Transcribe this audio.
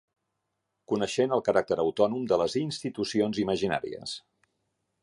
Coneixent el caràcter autònom de les institucions imaginàries.